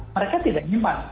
mereka tidak menyimpan